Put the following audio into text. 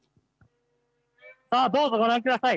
さあどうぞご覧ください！